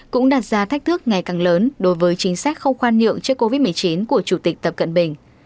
cũng đặt ra thách thức ngày càng lớn đối với chính sách không khoan nhượng trước covid một mươi chín của chủ tịch tập cận bình